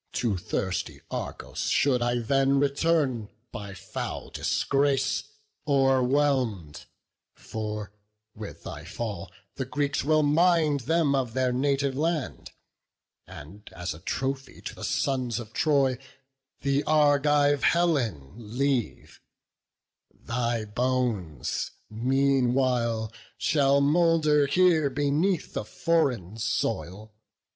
To thirsty Argos should I then return By foul disgrace o'erwhelm'd; for, with thy fall, The Greeks will mind them of their native land; And as a trophy to the sons of Troy The Argive Helen leave; thy bones meanwhile Shall moulder here beneath a foreign soil.